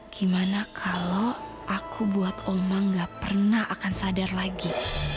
gimana kalau aku buat omang gak pernah akan sadar lagi